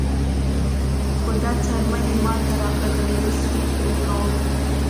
خو دا څرمن یې ماته راکړه د زړه سود پرې کوم.